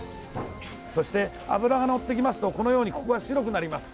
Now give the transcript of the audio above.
そして脂がのってきますとこのようにここが白くなります。